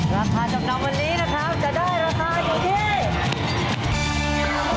ราคาจำนำวันนี้นะครับจะได้ราคาอยู่ที่